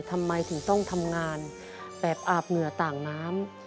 ทำไมถึงต้องทำงานแบบอาบเหงื่อต่างน้ำ